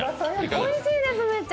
おいしいです、めっちゃ。